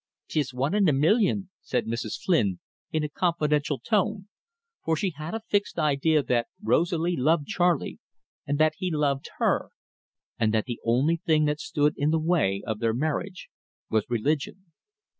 "'Tis one in a million!" said Mrs. Flynn, in a confidential tone, for she had a fixed idea that Rosalie loved Charley and that he loved her, and that the only thing that stood in the way of their marriage was religion.